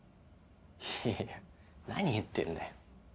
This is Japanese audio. いやいや何言ってんだよ。